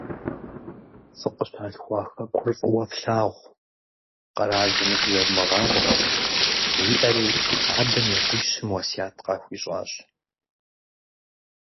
Фыкъыщалъхуа Хэкур фӀыуэ флъагъу, къэралым игу зэвмыгъабгъэ, - жиӏэри, адэм и къуищым уэсят къахуищӀащ.